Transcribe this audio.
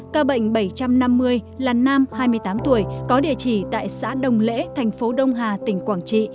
ca bệnh bảy trăm năm mươi là nam hai mươi tám tuổi có địa chỉ tại xã đồng lễ thành phố đông hà tỉnh quảng trị